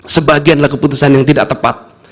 sebagianlah keputusan yang tidak tepat